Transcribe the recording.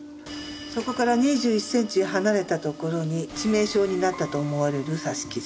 そこから２１センチ離れたところに致命傷になったと思われる刺し傷。